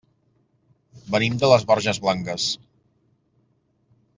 Venim de les Borges Blanques.